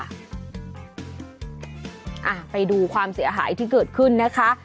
ไปดูความเสียหายที่เกิดขึ้นนะคะ